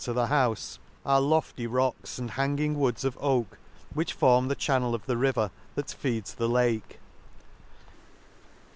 iyo An Excursion U lofty rocks and hanging woods of oak, which form the channel of the river that feeds the Lake.